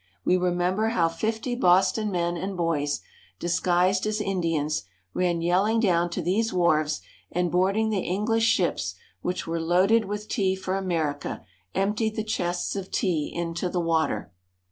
We remember how fifty Boston men and boys, disguised as Indians, ran yelling down to these wharves, and boarding the English ships which were loaded with tea for America, emptied the chests of tea into the water.